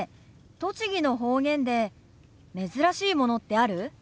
栃木の方言で珍しいものってある？